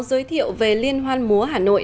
giới thiệu về liên hoan múa hà nội